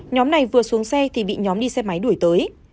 nhóm này vừa xuống xe thì bị nhóm đi xe máy đuổi tới